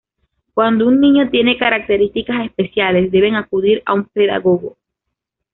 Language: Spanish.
Cuando un niño tiene características especiales, deben acudir a un pedagogo.